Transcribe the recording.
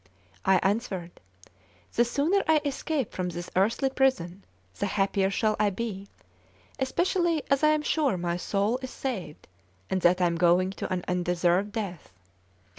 I answered: "The sooner I escape from this earthly prison, the happier shall I be; especially as I am sure my soul is saved, and that I am going to an undeserved death.